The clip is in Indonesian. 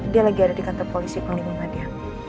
dia lagi ada di kantor polisi pengliungan dia